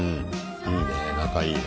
いいね仲いいね。